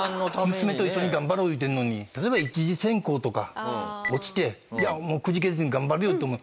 娘と「一緒に頑張ろう」言うてんのに例えば一次選考とか落ちてくじけずに頑張るよと。